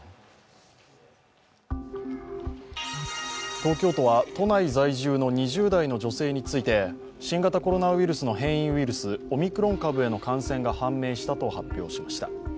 東京都は都内在住の２０代の女性について新型コロナウイルスの変異ウイルス、オミクロン株への感染が判明したと発表しました。